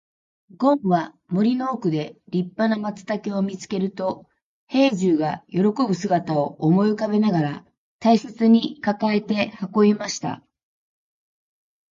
ごんは森の奥で立派な松茸を見つけると、兵十が喜ぶ姿を思い浮かべながら大切に抱えて運びました。